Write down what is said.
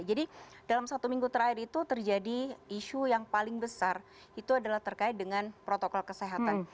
jadi dalam satu minggu terakhir itu terjadi isu yang paling besar itu adalah terkait dengan protokol kesehatan